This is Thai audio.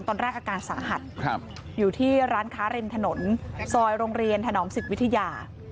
ตอนแรกอาการสาหัสอยู่ที่ร้านค้าริมถนนซอยโรงเรียนถนอมสิทธิวิทยา